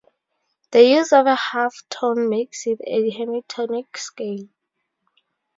The use of a half tone makes it a Hemitonic scale.